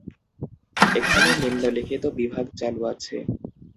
এখানে নিম্নলিখিত বিভাগ চালু আছে।